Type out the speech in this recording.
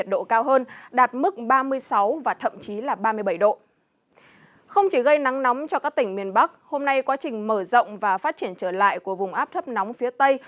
trong ngày nắng nóng cho các tỉnh miền bắc hôm nay quá trình mở rộng và phát triển trở lại của vùng áp thấp nóng phía tây